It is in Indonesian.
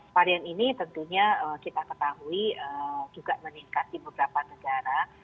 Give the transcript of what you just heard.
varian ini tentunya kita ketahui juga meningkat di beberapa negara